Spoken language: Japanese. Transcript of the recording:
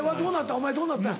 お前どうなったの？